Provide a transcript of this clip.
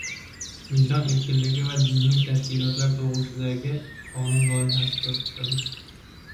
“Vijdon erkinligi va diniy tashkilotlar to‘g‘risida”gi qonun loyihasi ko‘rib chiqildi